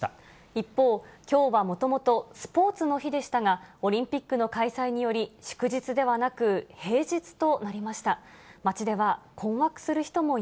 一方、きょうはもともとスポーツの日でしたが、オリンピックの開催により、祝日ではなく、平日となりました。